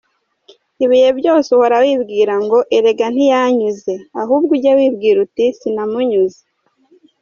Ibihe byose uhora wibwira ngo Erega ntiyanyuze, ahubwo ujye wibwira uti Sinamunyuze.